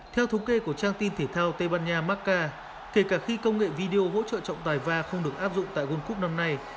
theo thống kê của trang tin thể thao tây ban nha macca kể cả khi công nghệ video hỗ trợ trọng tài va không được áp dụng tại world cup năm nay